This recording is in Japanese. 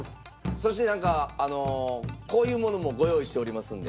そしてなんかあのこういうものもご用意しておりますんで。